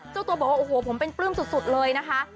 เจ้าตัวบอกว่าโอ้โหผมเป็นปลื้มสุดเลยนะคะ